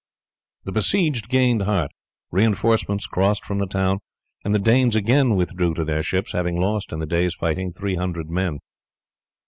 The besieged gained heart, reinforcements crossed from the town, and the Danes again withdrew to their ships, having lost in the day's fighting three hundred men.